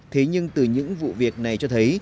thế nhưng từ những vụ việc này cho thấy